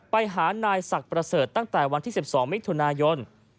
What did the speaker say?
ไปหานายศักดิ์ประเสริฐตั้งแต่วันที่๑๒มิถุนายน